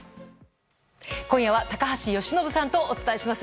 今夜は高橋由伸さんとお伝えします。